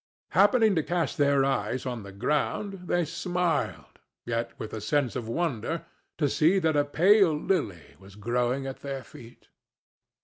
Happening to cast their eyes on the ground, they smiled, yet with a sense of wonder, to see that a pale lily was growing at their feet.